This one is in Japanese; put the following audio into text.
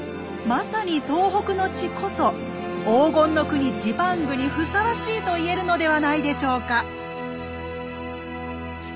まさに東北の地こそ黄金の国ジパングにふさわしいと言えるのではないでしょうか？